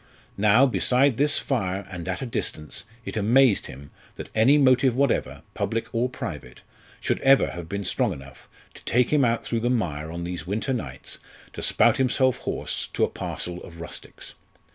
Now, beside this fire and at a distance, it amazed him that any motive whatever, public or private, should ever have been strong enough to take him out through the mire on these winter nights to spout himself hoarse to a parcel of rustics.